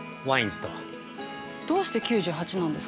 ◆それはどうして９８なんです？